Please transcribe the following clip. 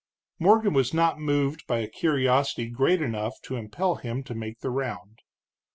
Morgan was not moved by a curiosity great enough to impel him to make the round.